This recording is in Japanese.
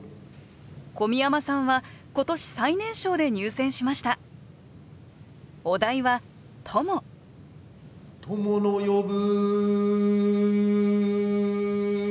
小宮山さんは今年最年少で入選しました「友の呼ぶ」。